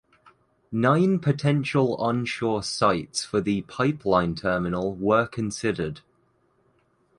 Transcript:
Nine potential onshore sites for the pipeline terminal were considered.